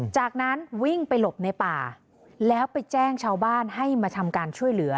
จากนั้นวิ่งไปหลบในป่าแล้วไปแจ้งชาวบ้านให้มาทำการช่วยเหลือ